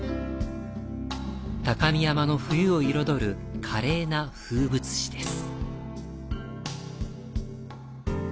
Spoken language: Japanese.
高見山の冬を彩る華麗な風物詩です。